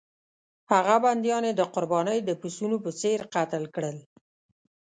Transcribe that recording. هغه بندیان یې د قربانۍ د پسونو په څېر قتل کړل.